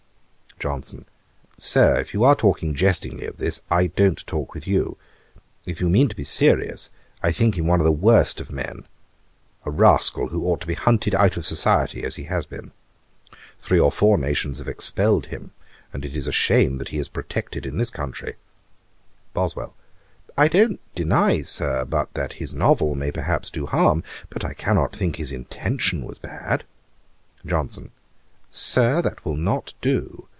JOHNSON. 'Sir, if you are talking jestingly of this, I don't talk with you. If you mean to be serious, I think him one of the worst of men; a rascal who ought to be hunted out of society, as he has been. Three or four nations have expelled him; and it is a shame that he is protected in this country.' BOSWELL. 'I don't deny, Sir, but that his novel may, perhaps, do harm; but I cannot think his intention was bad.' JOHNSON. 'Sir, that will not do.